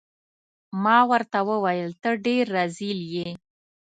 ما ورته وویل: ته ډیر رزیل يې.